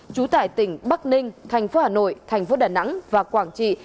trú tại tỉnh bắc ninh thành phố hà nội thành phố đà nẵng và quảng trị